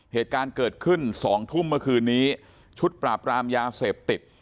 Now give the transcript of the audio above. เหตุการณ์เกิดขึ้นสองทุ่มเมื่อคืนนี้ชุดปราบรามยาเสพติด